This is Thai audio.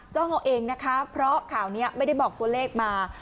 เอาเองนะคะเพราะข่าวนี้ไม่ได้บอกตัวเลขมา